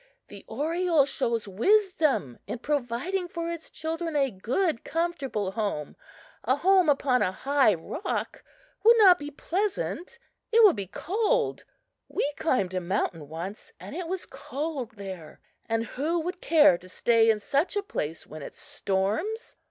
The oriole shows wisdom in providing for its children a good, comfortable home! A home upon a high rock would not be pleasant it would be cold! We climbed a mountain once, and it was cold there; and who would care to stay in such a place when it storms?